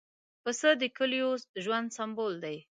پسه د کلیو ژوند سمبول دی.